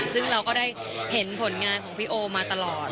ซึ่งเราก็ได้เห็นผลงานของพี่โอมาตลอด